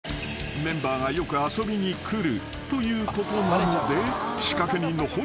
［メンバーがよく遊びに来るということなので仕掛け人の］